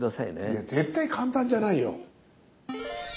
いや絶対簡単じゃないよ。